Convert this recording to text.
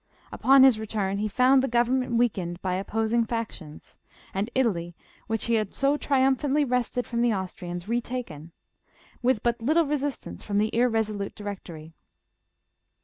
Upon his return, he found the government weakened by opposing fac tions, and Italy, which he had so triumphantly wrested from the Austrians, retaken, with but little resistance from the irresolute Directory.